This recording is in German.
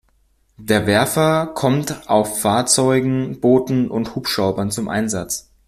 Der Werfer kommt auf Fahrzeugen, Booten und Hubschraubern zum Einsatz.